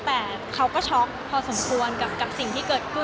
แต่เขาก็ช็อกพอสมควรกับสิ่งที่เกิดขึ้น